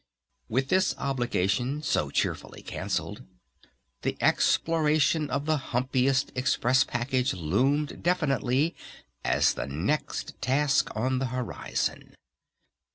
With this obligation so cheerfully canceled, the exploration of the humpiest express package loomed definitely as the next task on the horizon.